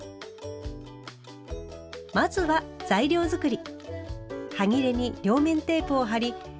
まずは材料作り。